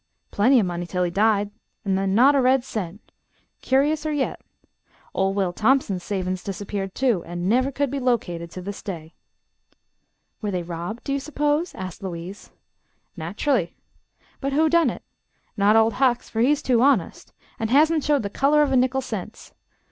Plenty o' money till he died, 'n' then not a red cent. Curiouser yet. Ol' Will Thompson's savin's dis'peared, too, an' never could be located to this day." "Were they robbed, do you suppose?" asked Louise. "Nat'rally. But who done it? Not Ol' Hucks, fer he's too honest, an' hasn't showed the color of a nickel sense.